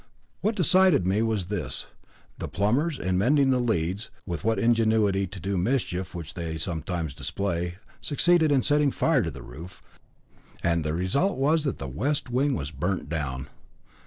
What decided me was this: the plumbers, in mending the leads, with that ingenuity to do mischief which they sometimes display, succeeded in setting fire to the roof, and the result was that the west wing was burnt down.